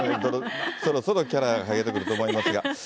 そろそろキャラが剥げてくると思いますが。